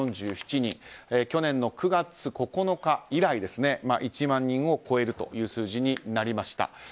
去年の９月９日以来１万人を超える数字になりました。